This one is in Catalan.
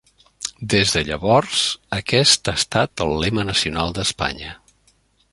Des de llavors, aquest ha estat el lema nacional d'Espanya.